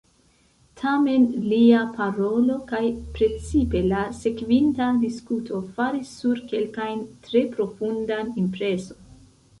Tamen lia parolo, kaj precipe la sekvinta diskuto, faris sur kelkajn tre profundan impreson.